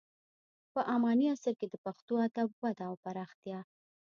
په اماني عصر کې د پښتو ادب وده او پراختیا: